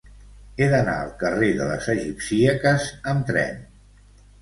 He d'anar al carrer de les Egipcíaques amb tren.